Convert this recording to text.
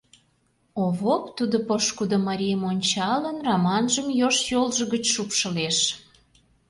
Овоп, тудо пошкудо марийым ончалын, Раманжым йошт йолжо гыч шупшылеш.